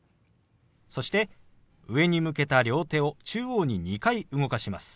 そして上に向けた両手を中央に２回動かします。